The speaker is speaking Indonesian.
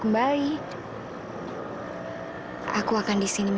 sekarang buka provost kamu